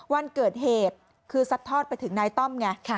วันเกิดเหตุคือซัดทอดไปถึงนายต้อมไง